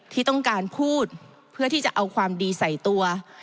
ที่ต้องการพูดเพื่อที่จะเอาความดีใส่ตัว